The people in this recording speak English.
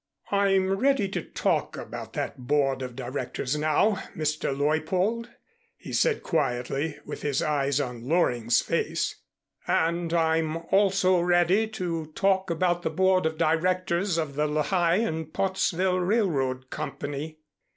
"I'm ready to talk about that Board of Directors now, Mr. Leuppold," he said quietly, with his eyes on Loring's face, "and I'm also ready to talk about the Board of Directors of the Lehigh and Pottsville Railroad Company."